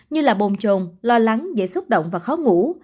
như là bồn trồn lo lắng dễ xúc động và khó ngủ